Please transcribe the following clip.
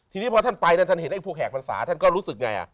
ทีนี้พอท่านไปท่านเห็นไอ้พวกแหกพรรษาท่านก็รู้สึกไง